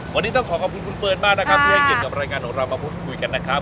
วันนี้ต้องขอขอบคุณคุณเฟิร์นมากนะครับที่ให้เกียรติกับรายการของเรามาพูดคุยกันนะครับ